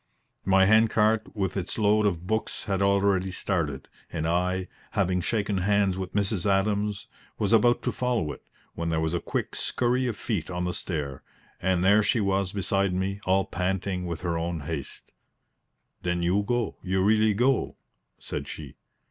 My hand cart with its load of books had already started, and I, having shaken hands with Mrs. Adams, was about to follow it, when there was a quick scurry of feet on the stair, and there she was beside me all panting with her own haste. "Then you go you really go?" said she.